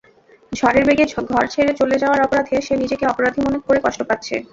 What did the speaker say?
ঝড়ের বেগে ঘর ছেড়ে চলে যাওয়ার অপরাধে সে নিজেকে অপরাধী করে কষ্ট পাচ্ছে।